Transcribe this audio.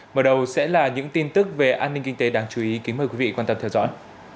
mở đầu sẽ là những tin tức về an ninh kinh tế đáng chú ý kính mời quý vị quan tâm theo dõi